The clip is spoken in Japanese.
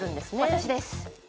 私です。